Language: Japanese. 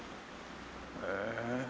へえ。